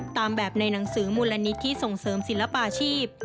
ตามแบบในหนังสือมูลนิธิที่ส่งเสริมศิลปาชีพ